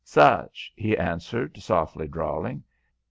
"Such," he answered, softly drawling.